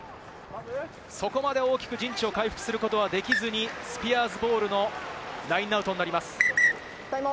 そこまで大きく陣地を回復することはできずに、スピアーズボールのラインアウトになります。